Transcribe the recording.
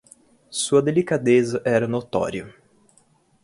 Sua delicadeza era notória